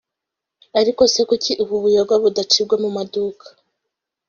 ariko se kuki ubu buyoga budacibwa mu maduka